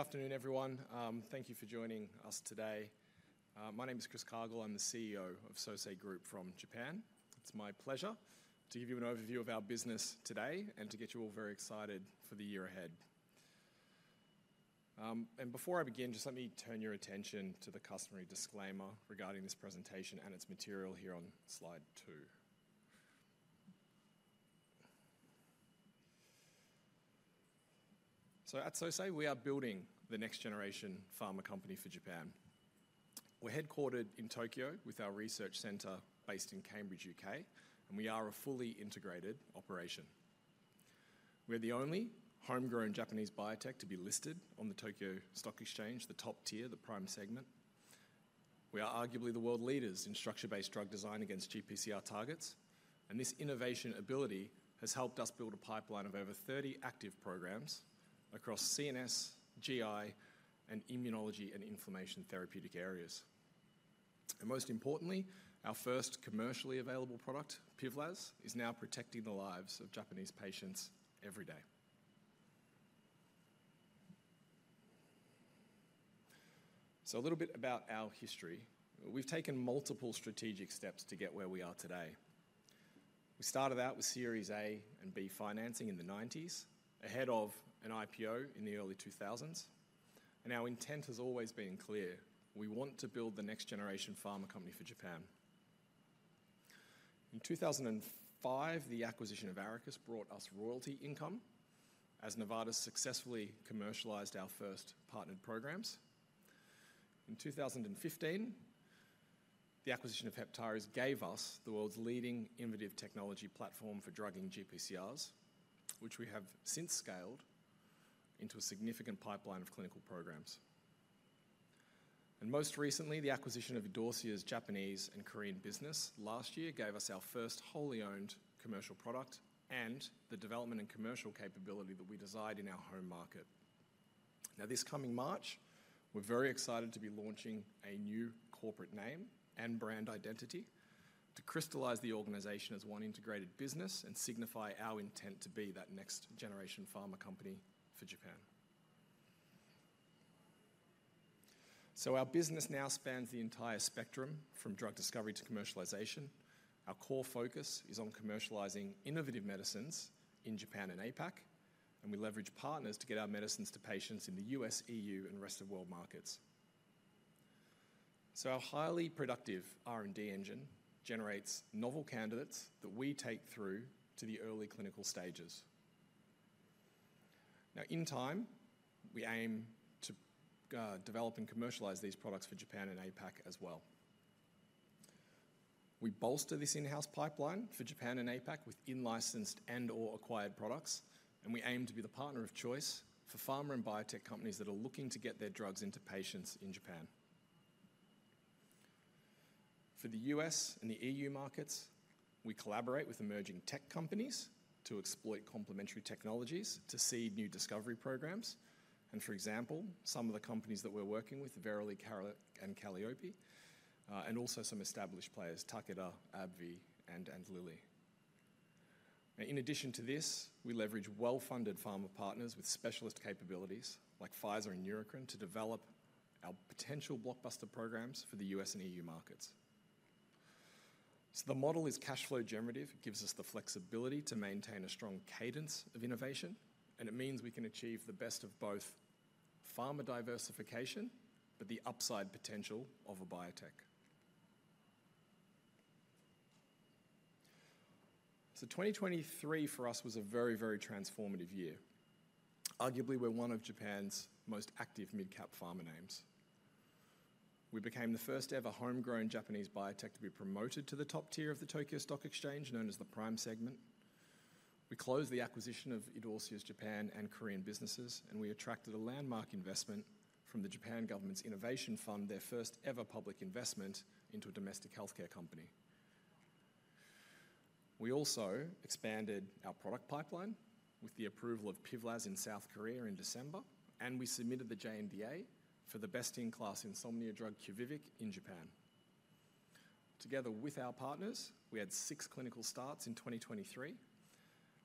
Good afternoon, everyone. Thank you for joining us today. My name is Chris Cargill. I'm the CEO of Sosei Group from Japan. It's my pleasure to give you an overview of our business today and to get you all very excited for the year ahead. Before I begin, just let me turn your attention to the customary disclaimer regarding this presentation and its material here on slide two. So at Sosei, we are building the next-generation pharma company for Japan. We're headquartered in Tokyo, with our research center based in Cambridge, U.K., and we are a fully integrated operation. We're the only homegrown Japanese biotech to be listed on the Tokyo Stock Exchange, the top tier, the Prime Segment. We are arguably the world leaders in structure-based drug design against GPCR targets, and this innovation ability has helped us build a pipeline of over 30 active programs across CNS, GI, and immunology and inflammation therapeutic areas. Most importantly, our first commercially available product, PIVLAZ, is now protecting the lives of Japanese patients every day. A little bit about our history. We've taken multiple strategic steps to get where we are today. We started out with Series A and B financing in the 1990s, ahead of an IPO in the early 2000s, and our intent has always been clear: we want to build the next-generation pharma company for Japan. In 2005, the acquisition of Arakis brought us royalty income as Novartis successfully commercialized our first partnered programs. In 2015, the acquisition of Heptares gave us the world's leading innovative technology platform for drugging GPCRs, which we have since scaled into a significant pipeline of clinical programs. Most recently, the acquisition of Idorsia's Japanese and Korean business last year gave us our first wholly-owned commercial product and the development and commercial capability that we desired in our home market. Now, this coming March, we're very excited to be launching a new corporate name and brand identity to crystallize the organization as one integrated business and signify our intent to be that next-generation pharma company for Japan. Our business now spans the entire spectrum, from drug discovery to commercialization. Our core focus is on commercializing innovative medicines in Japan and APAC, and we leverage partners to get our medicines to patients in the US, EU, and rest-of-world markets. So our highly productive R&D engine generates novel candidates that we take through to the early clinical stages. Now, in time, we aim to develop and commercialize these products for Japan and APAC as well. We bolster this in-house pipeline for Japan and APAC with in-licensed and/or acquired products, and we aim to be the partner of choice for pharma and biotech companies that are looking to get their drugs into patients in Japan. For the US and the EU markets, we collaborate with emerging tech companies to exploit complementary technologies to seed new discovery programs. For example, some of the companies that we're working with, Verily, Karuna, and Kallyope, and also some established players, Takeda, AbbVie, and Lilly. Now, in addition to this, we leverage well-funded pharma partners with specialist capabilities, like Pfizer and Neurocrine, to develop our potential blockbuster programs for the US and EU markets. So the model is cash flow generative, it gives us the flexibility to maintain a strong cadence of innovation, and it means we can achieve the best of both pharma diversification, but the upside potential of a biotech. So 2023 for us was a very, very transformative year. Arguably, we're one of Japan's most active mid-cap pharma names. We became the first-ever homegrown Japanese biotech to be promoted to the top tier of the Tokyo Stock Exchange, known as the Prime Segment. We closed the acquisition of Idorsia's Japan and Korean businesses, and we attracted a landmark investment from the Japanese government's innovation fund, their first-ever public investment into a domestic healthcare company. We also expanded our product pipeline with the approval of PIVLAZ in South Korea in December, and we submitted the J-NDA for the best-in-class insomnia drug QUVIVIQ in Japan. Together with our partners, we had six clinical starts in 2023,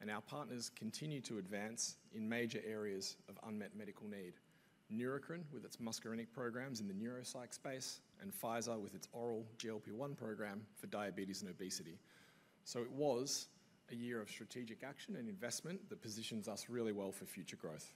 and our partners continue to advance in major areas of unmet medical need: Neurocrine, with its muscarinic programs in the neuropsych space, and Pfizer, with its oral GLP-1 program for diabetes and obesity. So it was a year of strategic action and investment that positions us really well for future growth.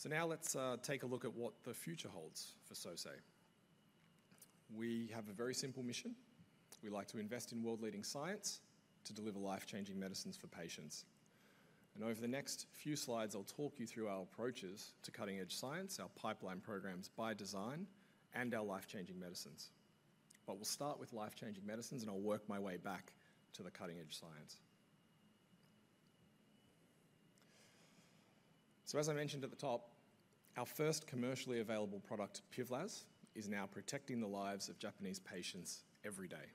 So now let's take a look at what the future holds for Sosei. We have a very simple mission. We like to invest in world-leading science to deliver life-changing medicines for patients. And over the next few slides, I'll talk you through our approaches to cutting-edge science, our pipeline programs by design, and our life-changing medicines. We'll start with life-changing medicines, and I'll work my way back to the cutting-edge science. As I mentioned at the top, our first commercially available product, PIVLAZ, is now protecting the lives of Japanese patients every day.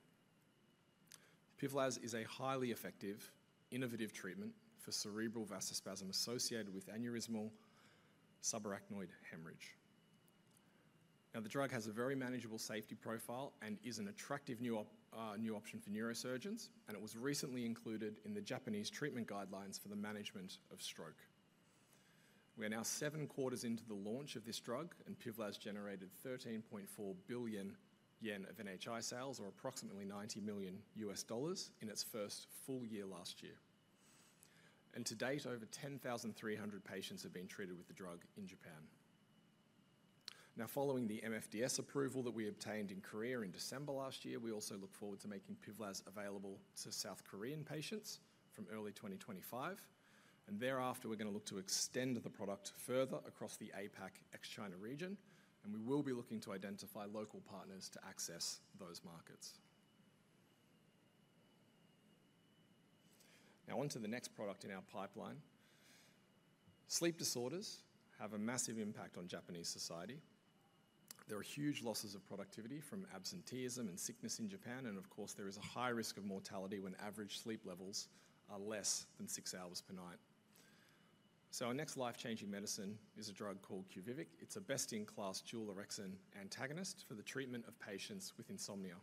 PIVLAZ is a highly effective, innovative treatment for cerebral vasospasm associated with aneurysmal subarachnoid hemorrhage. Now, the drug has a very manageable safety profile and is an attractive new option for neurosurgeons, and it was recently included in the Japanese treatment guidelines for the management of stroke. We are now seven quarters into the launch of this drug, and PIVLAZ has generated 13.4 billion yen of NHI sales, or approximately $90 million, in its first full year last year. To date, over 10,300 patients have been treated with the drug in Japan. Now, following the MFDS approval that we obtained in Korea in December last year, we also look forward to making PIVLAZ available to South Korean patients from early 2025. And thereafter, we're going to look to extend the product further across the APAC ex-China region, and we will be looking to identify local partners to access those markets. Now on to the next product in our pipeline. Sleep disorders have a massive impact on Japanese society. There are huge losses of productivity from absenteeism and sickness in Japan, and of course, there is a high risk of mortality when average sleep levels are less than six hours per night. So our next life-changing medicine is a drug called QUVIVIQ. It's a best-in-class dual orexin antagonist for the treatment of patients with insomnia.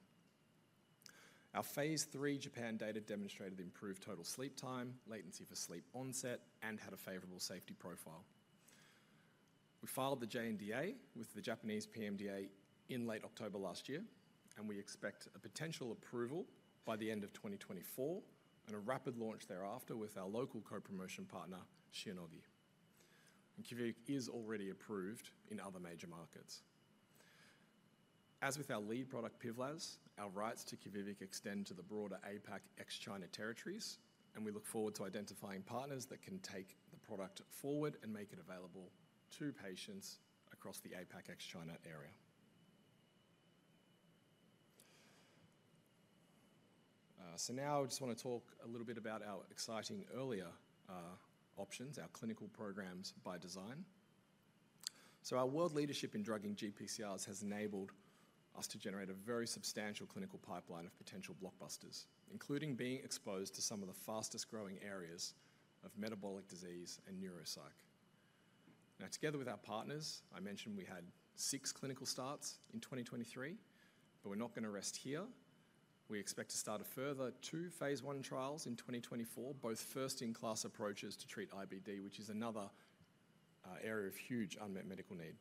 Our phase III Japan data demonstrated improved total sleep time, latency for sleep onset, and had a favorable safety profile. We filed the J-NDA with the Japanese PMDA in late October last year, and we expect a potential approval by the end of 2024 and a rapid launch thereafter with our local co-promotion partner, Shionogi. QUVIVIQ is already approved in other major markets. As with our lead product, PIVLAZ, our rights to QUVIVIQ extend to the broader APAC ex-China territories, and we look forward to identifying partners that can take the product forward and make it available to patients across the APAC ex-China area. Now I just want to talk a little bit about our exciting earlier options, our clinical programs by design. Our world leadership in drugging GPCRs has enabled us to generate a very substantial clinical pipeline of potential blockbusters, including being exposed to some of the fastest-growing areas of metabolic disease and neuropsych. Now, together with our partners, I mentioned we had 6 clinical starts in 2023, but we're not going to rest here. We expect to start a further 2 phase 1 trials in 2024, both first-in-class approaches to treat IBD, which is another area of huge unmet medical need.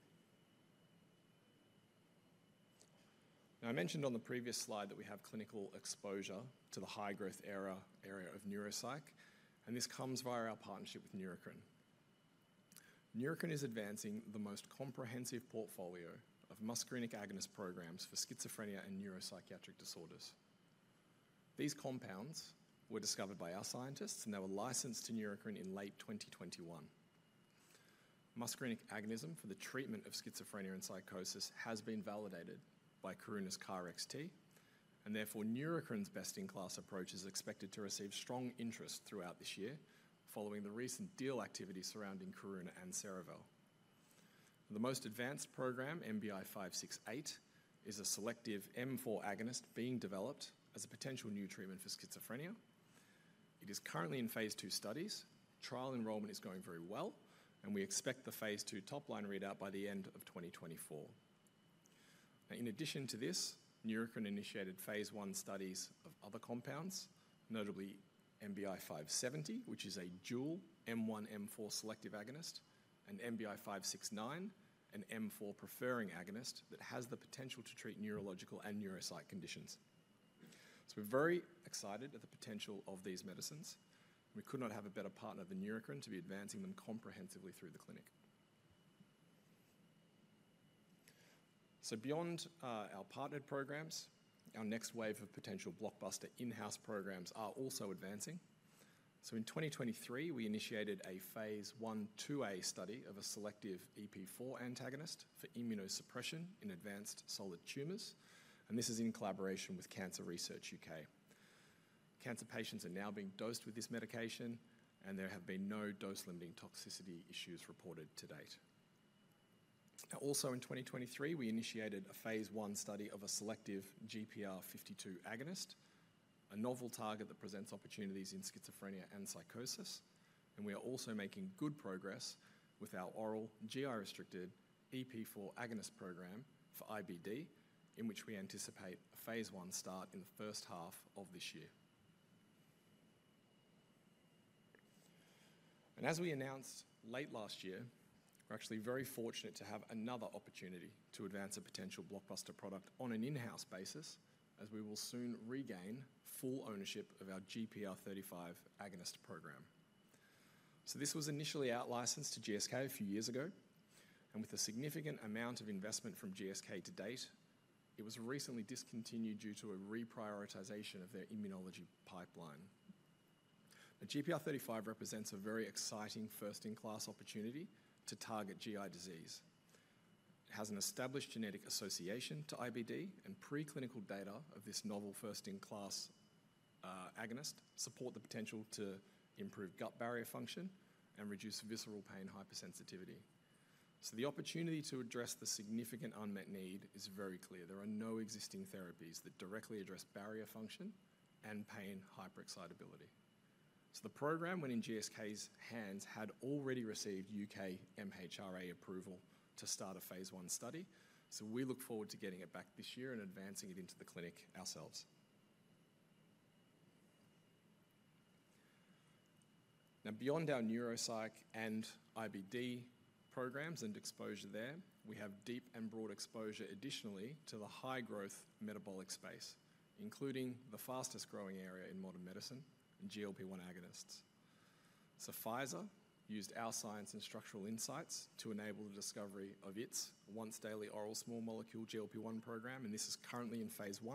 Now, I mentioned on the previous slide that we have clinical exposure to the high-growth area of neuropsych, and this comes via our partnership with Neurocrine. Neurocrine is advancing the most comprehensive portfolio of muscarinic agonist programs for schizophrenia and neuropsychiatric disorders. These compounds were discovered by our scientists, and they were licensed to Neurocrine in late 2021. Muscarinic agonism for the treatment of schizophrenia and psychosis has been validated by Karuna's KarXT, and therefore, Neurocrine's best-in-class approach is expected to receive strong interest throughout this year, following the recent deal activity surrounding Karuna and Cerevel. The most advanced program, NBI-1117568, is a selective M4 agonist being developed as a potential new treatment for schizophrenia. It is currently in phase 2 studies. Trial enrollment is going very well, and we expect the phase 2 top-line readout by the end of 2024. Now, in addition to this, Neurocrine initiated phase 1 studies of other compounds, notably NBI-1117570, which is a dual M1/M4 selective agonist, and NBI-1117569, an M4-preferring agonist that has the potential to treat neurological and neuropsych conditions. So we're very excited at the potential of these medicines. We could not have a better partner than Neurocrine to be advancing them comprehensively through the clinic. So beyond our partnered programs, our next wave of potential blockbuster in-house programs are also advancing. So in 2023, we initiated a phase 1/2a study of a selective EP4 antagonist for immunosuppression in advanced solid tumors, and this is in collaboration with Cancer Research UK. Cancer patients are now being dosed with this medication, and there have been no dose-limiting toxicity issues reported to date. Also, in 2023, we initiated a phase 1 study of a selective GPR52 agonist, a novel target that presents opportunities in schizophrenia and psychosis, and we are also making good progress with our oral GI-restricted EP4 agonist program for IBD, in which we anticipate a phase 1 start in the first half of this year. As we announced late last year, we're actually very fortunate to have another opportunity to advance a potential blockbuster product on an in-house basis, as we will soon regain full ownership of our GPR35 agonist program. So this was initially out-licensed to GSK a few years ago, and with a significant amount of investment from GSK to date, it was recently discontinued due to a reprioritization of their immunology pipeline. The GPR35 represents a very exciting first-in-class opportunity to target GI disease. It has an established genetic association to IBD, and preclinical data of this novel first-in-class agonist support the potential to improve gut barrier function and reduce visceral pain hypersensitivity. So the opportunity to address the significant unmet need is very clear. There are no existing therapies that directly address barrier function and pain hyperexcitability. So the program, when in GSK's hands, had already received UK MHRA approval to start a phase I study. So we look forward to getting it back this year and advancing it into the clinic ourselves. Now, beyond our neuropsych and IBD programs and exposure there, we have deep and broad exposure additionally to the high-growth metabolic space, including the fastest-growing area in modern medicine, GLP-1 agonists. So Pfizer used our science and structural insights to enable the discovery of its once-daily oral small molecule GLP-1 program, and this is currently in phase I.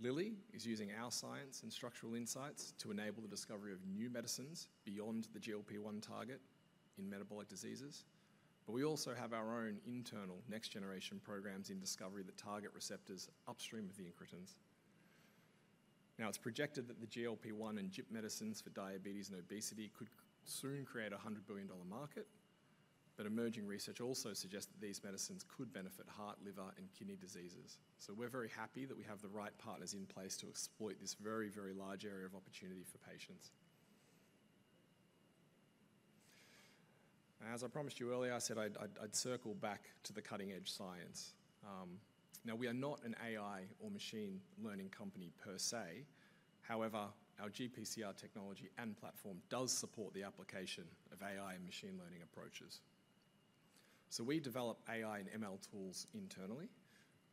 Lilly is using our science and structural insights to enable the discovery of new medicines beyond the GLP-1 target in metabolic diseases. But we also have our own internal next-generation programs in discovery that target receptors upstream of the incretins. Now, it's projected that the GLP-1 and GIP medicines for diabetes and obesity could soon create a $100 billion market. But emerging research also suggests that these medicines could benefit heart, liver, and kidney diseases. So we're very happy that we have the right partners in place to exploit this very, very large area of opportunity for patients. As I promised you earlier, I said I'd circle back to the cutting-edge science. Now, we are not an AI or machine learning company per se. However, our GPCR technology and platform does support the application of AI and machine learning approaches. So we develop AI and ML tools internally,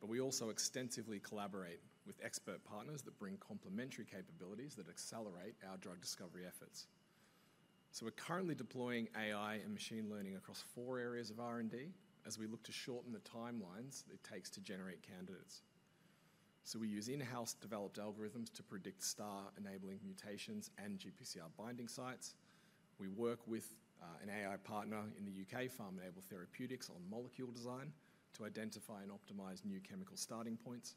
but we also extensively collaborate with expert partners that bring complementary capabilities that accelerate our drug discovery efforts. So we're currently deploying AI and machine learning across four areas of R&D as we look to shorten the timelines it takes to generate candidates. So we use in-house developed algorithms to predict StaR-enabling mutations and GPCR binding sites. We work with an AI partner in the UK, PharmEnable, on molecule design to identify and optimize new chemical starting points.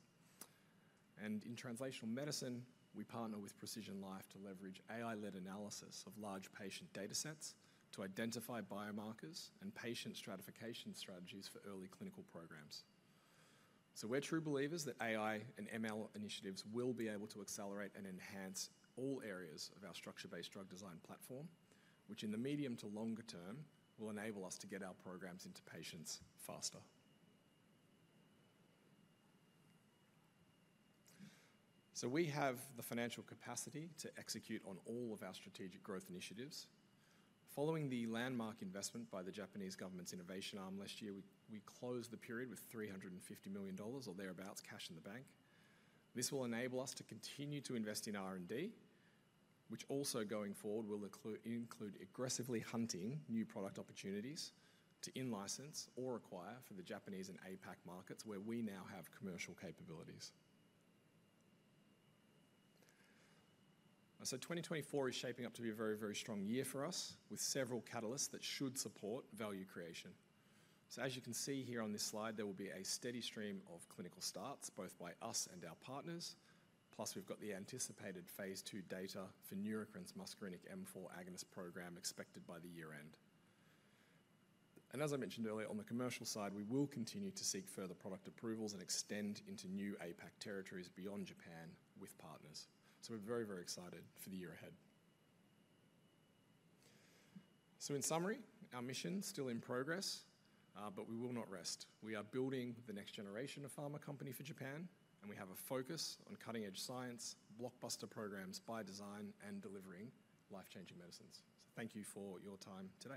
And in translational medicine, we partner with PrecisionLife to leverage AI-led analysis of large patient data sets to identify biomarkers and patient stratification strategies for early clinical programs. So we're true believers that AI and ML initiatives will be able to accelerate and enhance all areas of our structure-based drug design platform, which in the medium to longer term, will enable us to get our programs into patients faster. So we have the financial capacity to execute on all of our strategic growth initiatives. Following the landmark investment by the Japanese government's innovation arm last year, we closed the period with $350 million or thereabouts, cash in the bank. This will enable us to continue to invest in R&D, which also, going forward, will include aggressively hunting new product opportunities to in-license or acquire for the Japanese and APAC markets, where we now have commercial capabilities. So 2024 is shaping up to be a very, very strong year for us, with several catalysts that should support value creation. So as you can see here on this slide, there will be a steady stream of clinical starts, both by us and our partners, plus we've got the anticipated phase II data for Neurocrine's muscarinic M4 agonist program, expected by the year-end. As I mentioned earlier, on the commercial side, we will continue to seek further product approvals and extend into new APAC territories beyond Japan with partners. We're very, very excited for the year ahead. In summary, our mission is still in progress, but we will not rest. We are building the next generation of pharma company for Japan, and we have a focus on cutting-edge science, blockbuster programs by design, and delivering life-changing medicines. Thank you for your time today.